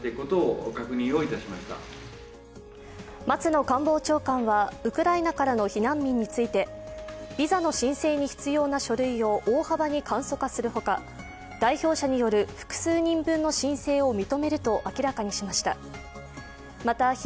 松野官房長官はウクライナからの避難民についてビザの申請に必要な書類を大幅に簡素化するほか、代表者による複数人分の申請を認めると明らかにしました。